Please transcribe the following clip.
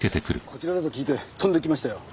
こちらだと聞いて飛んで来ましたよ。